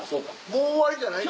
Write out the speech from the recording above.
もう終わりじゃないの？